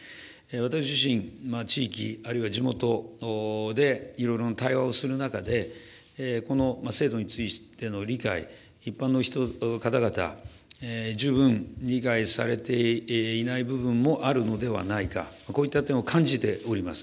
私自身、地域、あるいは地元でいろいろな対話をする中で、この制度についての理解、一般の方々、十分、理解されていない部分もあるのではないか、こういった点を感じております。